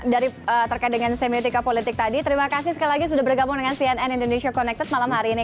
dari terkait dengan semiotika politik tadi terima kasih sekali lagi sudah bergabung dengan cnn indonesia connected malam hari ini